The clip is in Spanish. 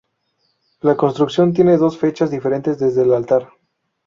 La construcción tiene dos fechas diferentes desde el altar.